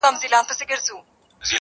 ځه پرېږده وخته نور به مي راويښ کړم ,